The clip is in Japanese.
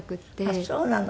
あっそうなの。